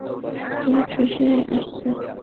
ওরা ফিরে আসছে।